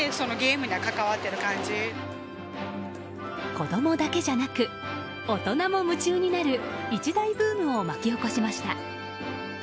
子供だけじゃなく大人も夢中になる一大ブームを巻き起こしました。